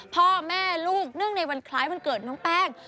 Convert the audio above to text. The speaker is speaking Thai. พ่อแม่ลูกเนื่องในวันคล้ายวันเกิดน้องแป้ง